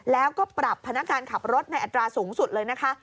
แล้วก็ปรับพนักการขับรถในอัตราสูงสุดเลยนะคะ